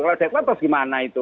kalau deadlock terus gimana itu